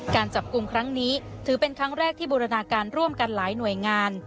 การจับกลุ่มครั้งนี้ถือเป็นครั้งแรกที่บูรณาการร่วมกันหลายหน่วยงาน